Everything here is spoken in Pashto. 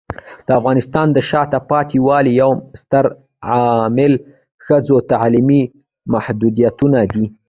د افغانستان د شاته پاتې والي یو ستر عامل ښځو تعلیمي محدودیتونه دي.